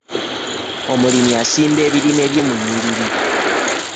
Omulimi asimba ebirime bye mu nnyiriri.